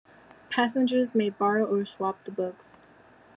Passengers may borrow or swap the books.